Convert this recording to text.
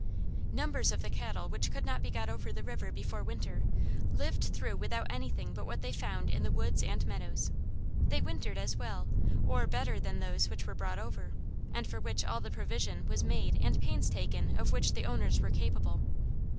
"Numbers of the cattle which could not be got over the river before winter, lived through without anything but what they found in the woods and meadows. They wintered as well, or better than those which were brought over, and for which all the provision was made and pains taken of which the owners were capable.